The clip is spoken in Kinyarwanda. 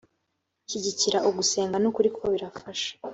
shyigikira ugusenga n’ukuri kuko birafasha.